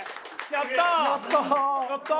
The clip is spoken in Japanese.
やったー！